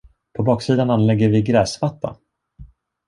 På baksidan anlägger vi gräsmatta.